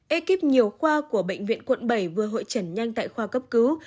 ekip nhiều khoa của bệnh viện quận bảy vừa hội trần nhanh tại khoa cấp cứu